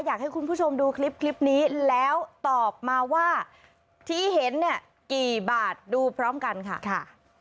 อยากให้คุณผู้ชมดูคลิปนี้แล้วตอบมาว่าที่เห็นเนี่ยกี่บาทดูพร้อมกันค่ะ